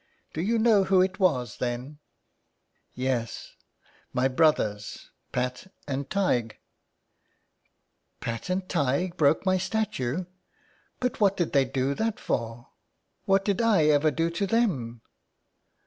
" Do you know who it was then ?"" Yes, my brothers, Pat and Taigdh." " Pat and Taigdh broke my statue ! But what did they do that for ? What did I ever do to them